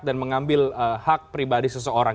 dan mengambil hak pribadi seseorang